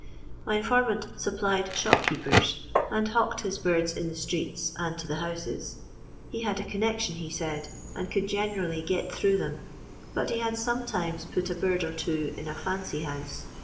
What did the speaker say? My informant supplied shopkeepers and hawked his birds in the streets and to the houses; He had a connection, he said, and could generally get through them, but he had sometimes put a bird or two in a &ncy house.